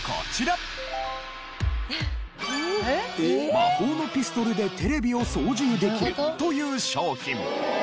魔法のピストルでテレビを操縦できるという商品。